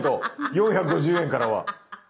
４５０円からは。